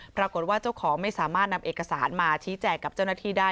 ปรากฏว่าเจ้าของไม่สามารถนำเอกสารมาชี้แจงกับเจ้าหน้าที่ได้